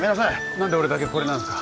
何で俺だけこれなんですか？